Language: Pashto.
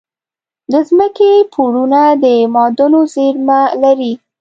د ځمکې پوړونه د معادنو زیرمه لري.